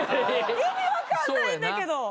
意味分かんないんだけど。